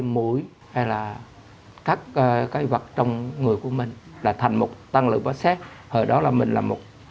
mũi hay là các cái vật trong người của mình là thành một tăng lượng và xét hồi đó là mình là một